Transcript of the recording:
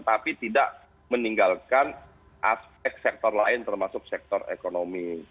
tapi tidak meninggalkan aspek sektor lain termasuk sektor ekonomi